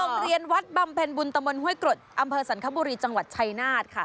โรงเรียนวัดบำเพ็ญบุญตะมนต้วยกรดอำเภอสันคบุรีจังหวัดชัยนาธค่ะ